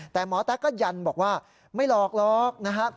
แต่หมอแต๊กก็ยันบอกว่าไม่หลอกนะฮะ